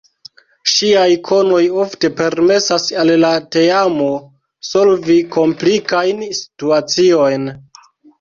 Ŝiaj konoj ofte permesas al la teamo solvi komplikajn situaciojn.